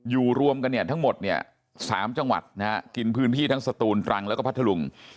รวมกันเนี่ยทั้งหมดเนี่ย๓จังหวัดนะฮะกินพื้นที่ทั้งสตูนตรังแล้วก็พัทธลุง